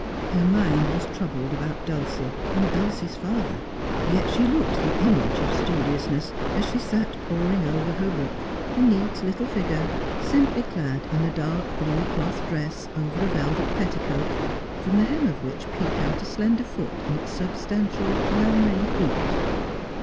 Her mind was troubled about Dulcie and Dulcie's father. Yet she looked the image of studiousness as she sat poring over her book, a neat little figure, simply cjad in a dark ? 210 Just as I Am, blue cloth dress, over a velvet petticoat, from the hem of which peeped out a slender foot in its substantial well made boot.